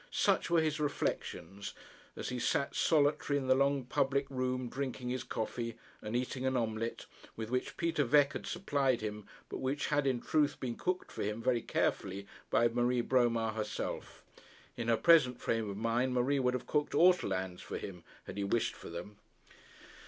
Such were his reflections as he sat solitary in the long public room drinking his coffee, and eating an omelet, with which Peter Veque had supplied him, but which had in truth been cooked for him very carefully by Marie Bromar herself. In her present frame of mind Marie would have cooked ortolans for him had he wished for them.